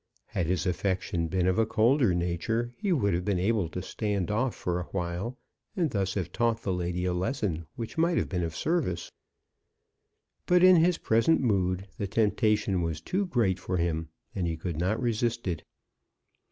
Had his affection been of a colder nature, he would have been able to stand off for awhile, and thus have taught the lady a lesson which might have been of service. But, in his present mood, the temptation was too great for him, and he could not resist it.